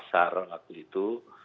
pasar waktu itu